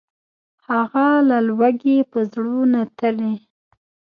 هغه له لوږي په زړو نتلي